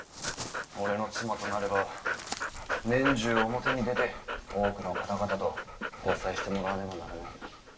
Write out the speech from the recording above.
俺の妻となれば年中表に出て多くの方々と交際してもらわねばならない。